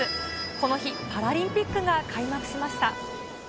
この日、パラリンピックが開幕しました。